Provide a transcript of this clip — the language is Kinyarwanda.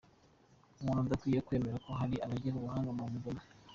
Umuntu anakwiye kwemera ko hari abagira ubuhanga mu bugome.